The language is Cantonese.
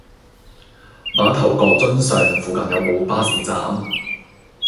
馬頭角瑧尚附近有無巴士站？